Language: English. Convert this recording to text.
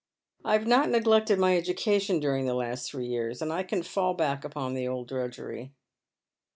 I have not neglected my education during the last three years, and I can full back upon the old drudgery."